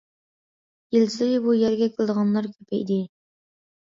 يىلسېرى بۇ يەرگە كېلىدىغانلار كۆپەيدى.